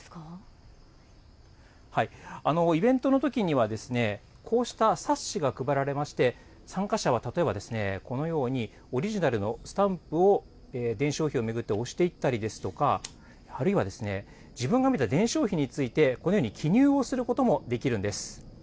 イベントのときには、こうした冊子が配られまして、参加者は例えばこのようにオリジナルのスタンプを伝承碑を巡って押していったりですとか、あるいは自分が見た伝承碑について、このように記入をすることもできるんです。